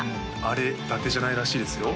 あれだてじゃないらしいですよ？